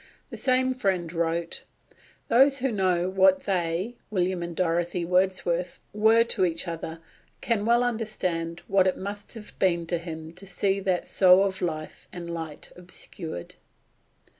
The same friend wrote, "Those who know what they (William and Dorothy Wordsworth) were to each other can well understand what it must have been to him to see that soul of life and light obscured."